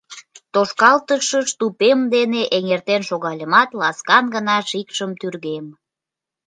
Тошкалтышыш тупем дене эҥертен шогальымат, ласкан гына шикшым тӱргем.